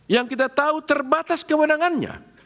yang kita tahu terbatas kewenangannya